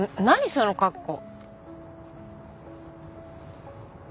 その格好。